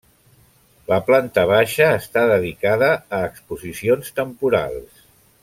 La planta baixa està dedicada a exposicions temporals.